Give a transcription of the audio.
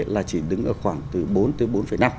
là chỉ đứng ở khoảng từ bốn tới bốn năm